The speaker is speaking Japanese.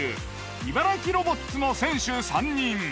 茨城ロボッツの選手３人。